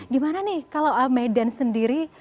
gimana nih kalau medan sendiri